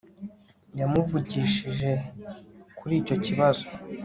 yamuvugishije kuri icyo kibazo